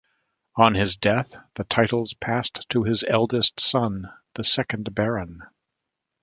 On his death the titles passed to his eldest son, the second Baron.